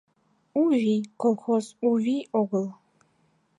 «У вий» колхоз — у вий огыл